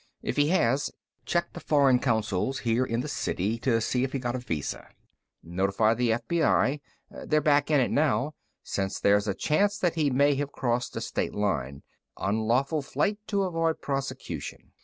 If he has, check the foreign consuls here in the city to see if he got a visa. Notify the FBI; they're back in it now, since there's a chance that he may have crossed a state line unlawful flight to avoid prosecution.